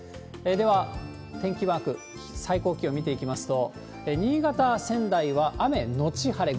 では、天気マーク、最高気温見ていきますと、新潟、仙台は雨後晴れ。